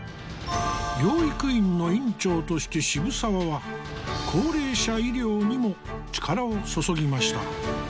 養育院の院長として渋沢は高齢者医療にも力を注ぎました。